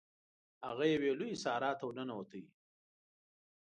هغه یوې لويي صحرا ته ورننوتلو.